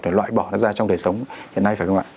để loại bỏ nó ra trong đời sống hiện nay phải không ạ